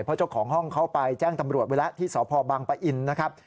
เพราะเจ้าของห้องเขาไปแจ้งตำรวจไว้แล้วที่สพบังปะอินนะครับ